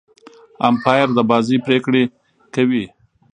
امپاير د بازۍ پرېکړي کوي.